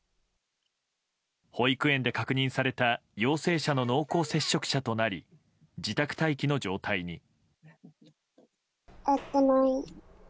保育園で確認された陽性者の濃厚接触者となり自宅待機の状態に。